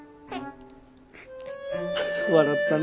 笑ったね。